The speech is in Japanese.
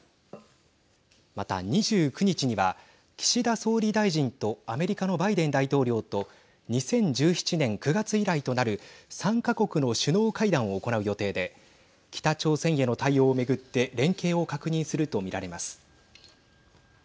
また、２９日には岸田総理大臣とアメリカのバイデン大統領と２０１７年９月以来となる３か国の首脳会談を行う予定で北朝鮮への対応を巡って連携を確認すると見られます。